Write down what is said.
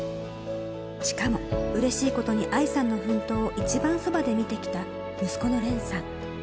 しかも、うれしいことに愛さんの奮闘を一番そばで見てきた息子の蓮さん。